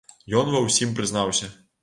Ён ва ўсім прызнаўся.